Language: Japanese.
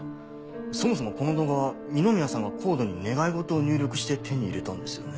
そもそもこの動画は二宮さんがＣＯＤＥに願いごとを入力して手に入れたんですよね？